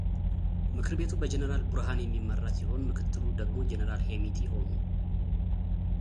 ምክር ቤቱ በጀነራል ቡርሃን የሚመራ ሲሆን ምክትሉ ደግሞ ጄነራል ሄምቲ ሆኑ።